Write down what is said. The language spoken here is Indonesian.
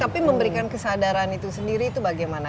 tapi memberikan kesadaran itu sendiri itu bagaimana